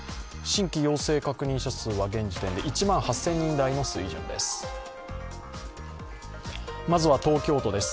新規陽性確認者数は現時点で１万８０００人台の推移です。